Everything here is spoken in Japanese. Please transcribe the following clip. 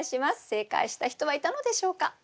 正解した人はいたのでしょうか？